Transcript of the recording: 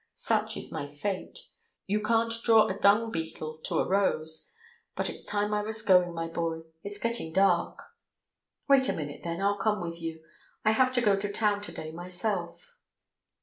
Such is my fate. You can't draw a dung beetle to a rose. But it's time I was going, my boy. It's getting dark." "Wait a minute then, I'll come with you. I have to go to town to day myself."